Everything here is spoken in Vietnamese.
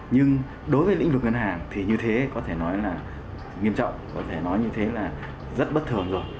nhưng đối với lĩnh vực ngân hàng thì như thế có thể nói là nghiêm trọng có thể nói như thế là rất bất thường rồi